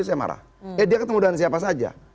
saya marah eh dia ketemu dengan siapa saja